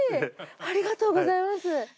ありがとうございます。